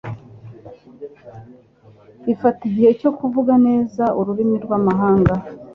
Bifata igihe cyo kuvuga neza ururimi rwamahanga.